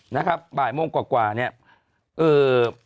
นะครับบ่ายโมงกว่ากว่าเนี่ย